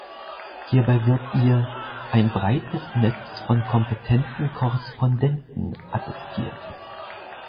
Hierbei wird ihr „ein breites Netz von kompetenten Korrespondenten“ attestiert.